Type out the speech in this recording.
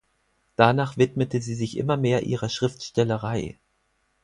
Danach widmete sie sich immer mehr ihrer Schriftstellerei.